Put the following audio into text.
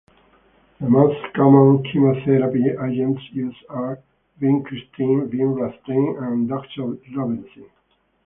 The most common chemotherapy agents used are vincristine, vinblastine, and doxorubicin.